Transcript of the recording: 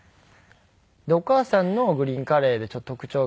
でお母さんのグリーンカレーでちょっと特徴があって。